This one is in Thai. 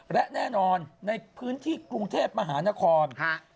และแน่นอนในพื้นที่กรุงเทพมหานคร